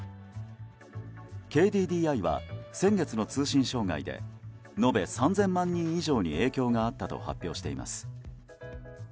ＫＤＤＩは、先月の通信障害で延べ３０００万人以上に影響があったと発表しています。